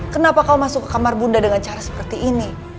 kenapa kau masuk ke kamar bunda dengan cara seperti ini